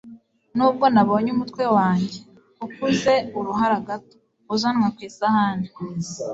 Nubwo nabonye umutwe wanjye [ukuze uruhara gato] uzanwa ku isahani,